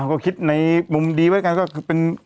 ก็คิดในมุมดีไว้กันก็คือเป็น